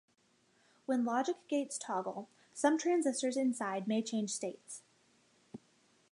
When logic gates toggle, some transistors inside may change states.